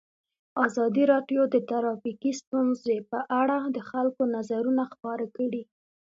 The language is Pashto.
ازادي راډیو د ټرافیکي ستونزې په اړه د خلکو نظرونه خپاره کړي.